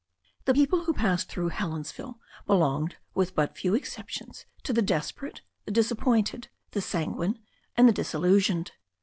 The people who passed through Helensville belonged, with but few exceptions, to the desperate, the disappointed, the sanguine, and the disillusioned.